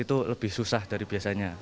itu lebih susah dari biasanya